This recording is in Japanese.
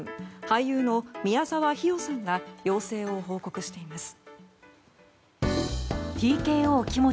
俳優の宮沢氷魚さんが陽性を報告しています。